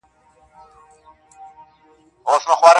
سپوږمۍ ته گوره زه پر بام ولاړه يمه